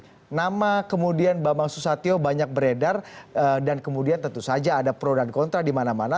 oke nama kemudian bambang susatyo banyak beredar dan kemudian tentu saja ada pro dan kontra di mana mana